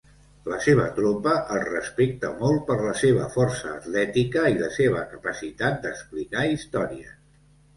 La seva tropa el respecta molt per la seva força atlètica i la seva capacitat d'explicar històries.